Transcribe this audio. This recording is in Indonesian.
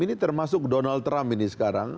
ini termasuk donald trump ini sekarang